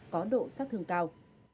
có độ sát thương cao